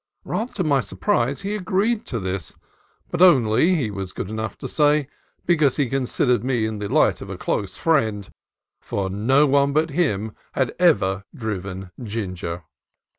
Rather to my surprise he agreed to this, but only, he was good enough to say, because he considered me in the light of a close friend, for no one but himself had ever driven Ginger.